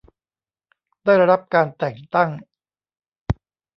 ได้รับแต่งตั้ง